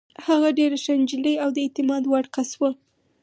هغه ډېره ښه نجلۍ او د اعتماد وړ کس وه.